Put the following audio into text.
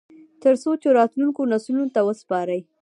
ترڅو یې راتلونکو نسلونو ته وسپاري